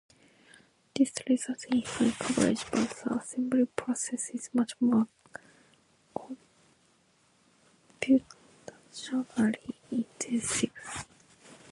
This results in high coverage, but the assembly process is much more computationally intensive.